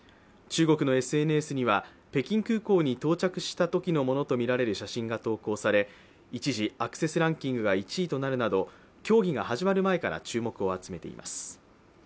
中国のＳＮＳには、北京空港に到着したときのものとみられる写真が投稿され、一時、アクセスランキングが１位となるなど競技が始まる前から注目を集めています。